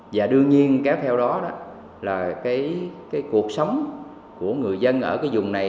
và đương nhiên kéo theo đó là cái cuộc sống của người dân ở cái vùng này